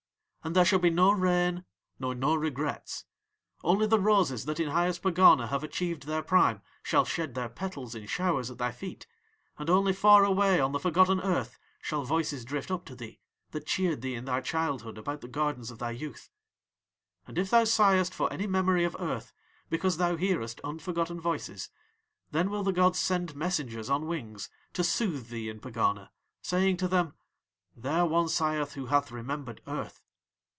And there shall be no rain nor no regrets. Only the roses that in highest Pegana have achieved their prime shall shed their petals in showers at thy feet, and only far away on the forgotten earth shall voices drift up to thee that cheered thee in thy childhood about the gardens of thy youth. And if thou sighest for any memory of earth because thou hearest unforgotten voices, then will the gods send messengers on wings to soothe thee in Pegana, saying to them: "There one sigheth who hath remembered Earth."